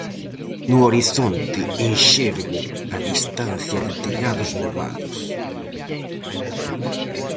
No horizonte enxergo a distancia de tellados nevados.